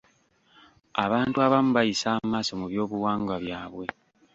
Abantu abamu bayisa amaaso mu by'obuwangwa byabwe.